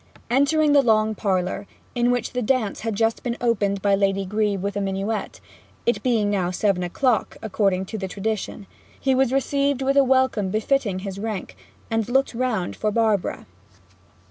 Entering the long parlour, in which the dance had just been opened by Lady Grebe with a minuet it being now seven o'clock, according to the tradition he was received with a welcome befitting his rank, and looked round for Barbara.